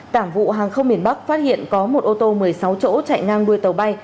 cảng vụ hàng không miền bắc phát hiện có một ô tô một mươi sáu chỗ chạy ngang đuôi tàu bay